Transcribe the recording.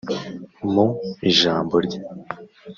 Mu ijambo rye